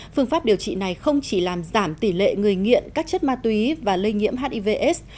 phương pháp điều trị này không chỉ làm giảm tỷ lệ người nghiện các chất ma túy và lây nhiễm hivs